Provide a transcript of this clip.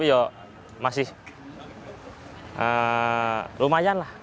tidak minum dingin